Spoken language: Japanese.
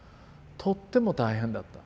とっても大変だった。